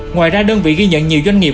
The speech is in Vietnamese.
ngoài ra đơn vị ghi nhận nhiều doanh nghiệp